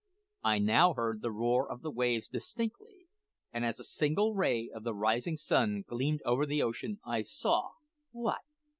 I now heard the roar of the waves distinctly; and as a single ray of the rising sun gleamed over the ocean, I saw what!